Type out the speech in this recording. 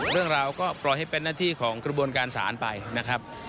เรื่องราวก็ปล่อยให้เป็นหน้าที่ของกระบวนการศาลไปนะครับ